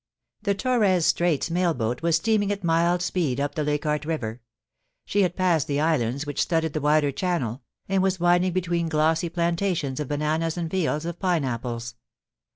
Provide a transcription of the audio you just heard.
The Torres Straits mail boat was steaming at mild speed up the Leichardt river; she had passed the islands which studded the wider channel, and was winding between glossy planta> tions of bananas and fields of pine apples.